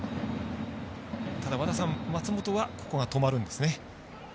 ただ、和田さん、松本はここは止まるんですね。